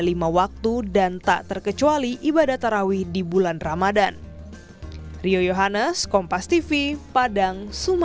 ada lima waktu dan tak terkecuali ibadah terawih di bulan ramadan